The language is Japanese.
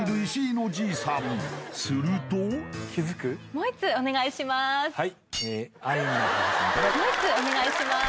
もう一通お願いします